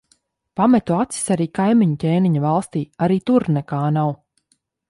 Pametu acis arī kaimiņu ķēniņa valstī. Arī tur nekā nav.